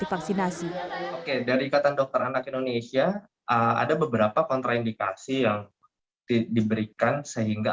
divaksinasi oke dari ikatan dokter anak indonesia ada beberapa kontraindikasi yang diberikan sehingga